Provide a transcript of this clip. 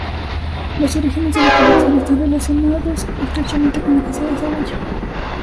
Los orígenes de la colección están relacionados estrechamente con la Casa de Saboya.